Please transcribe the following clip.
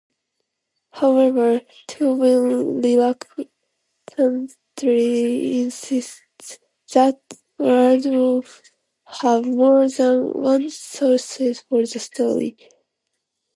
However, Tobin reluctantly insists that Waldorf have more than one source for the story.